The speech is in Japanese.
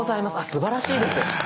すばらしいです。